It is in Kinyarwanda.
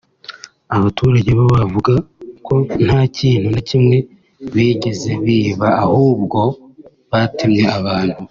abaturage bo bavuga ko nta kintu na kimwe bigeze biba ahubwo batemye abantu